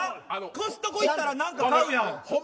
コストコ行ったら何か買うやん。